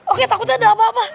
oke takutnya ada apa apa